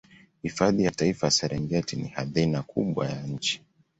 hifadhi ya taifa ya serengeti ni hadhina kubwa ya nchi